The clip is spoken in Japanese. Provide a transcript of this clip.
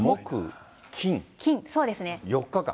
そうですね。